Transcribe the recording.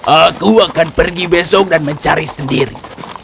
aku akan pergi besok dan mencari sendiri